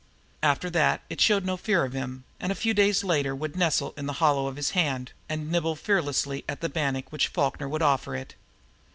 After that it showed no fear of him, and a few days later would nestle in the hollow of his big hand and nibble fearlessly at the bannock which Falkner would offer it.